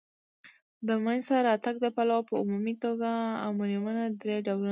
د مینځ ته راتګ د پلوه په عمومي توګه امونیمونه درې ډولونه لري.